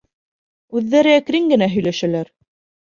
Үҙҙәре әкрен генә һөйләшәләр.